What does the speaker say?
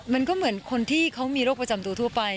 มันก็เหมือนคนที่เขามีโรคประจำตัวทั่วไป